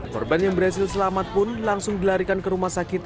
korban yang berhasil selamat pun langsung dilarikan ke rumah sakit